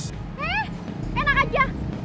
eh enak aja